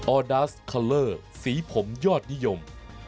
อดาสคัลเลอร์สีผมยอดนิยม